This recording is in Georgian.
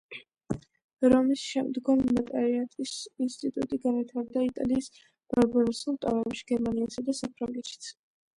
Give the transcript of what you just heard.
რომის შემდგომ ნოტარიატის ინსტიტუტი განვითარდა იტალიის ბარბაროსულ ტომებში, გერმანიასა და საფრანგეთშიც.